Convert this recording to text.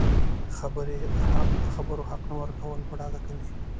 د خبرو حق نه ورکول په ډاګه کوي